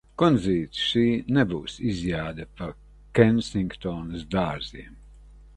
Kundzīt, šī nebūs izjāde pa Kensingtonas dārziem!